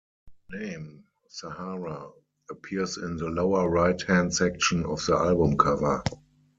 The name "Sahara" appears in the lower right hand section of the album cover.